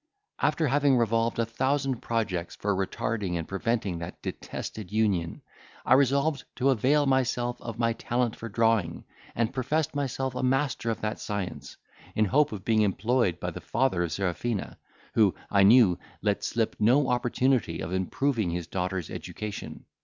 "After having revolved a thousand projects for retarding and preventing that detested union, I resolved to avail myself of my talent for drawing, and professed myself a master of that science, in hope of being employed by the father of Serafina, who, I knew, let slip no opportunity of improving his daughter's education.